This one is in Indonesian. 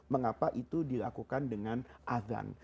mengapa itu dilakukan dengan azan